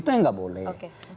itu yang gak boleh